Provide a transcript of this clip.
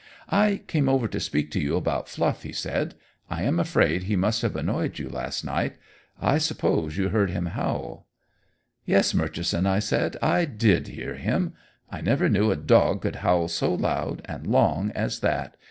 "I came over to speak to you about Fluff," he said. "I am afraid he must have annoyed you last night. I suppose you heard him howl?" "Yes, Murchison," I said, "I did hear him. I never knew a dog could howl so loud and long as that.